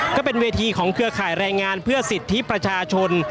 ก็เป็นเวทีของเครือข่ายแรงงานเพื่อสิทธิประชาชน